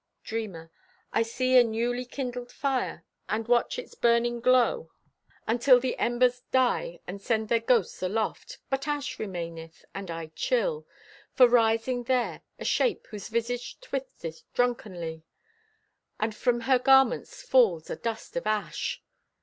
Dreamer: I see a newly kindled fire, And watch its burning glow until The embers die and send their ghosts aloft. But ash remaineth—and I chill! For rising there, a shape Whose visage twisteth drunkenly, And from her garments falls a dust of ash.